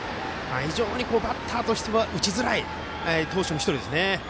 非常にバッターとしては打ちづらい投手の１人ですね。